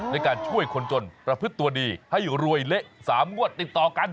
ในการช่วยคนจนประพฤติตัวดีให้รวยเละ๓งวดติดต่อกัน